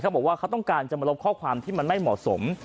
บอกว่าเขาต้องการจะมาลบข้อความที่มันไม่เหมาะสม